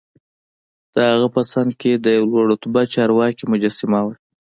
دهغه په څنګ کې د یوه لوړ رتبه چارواکي مجسمه وه.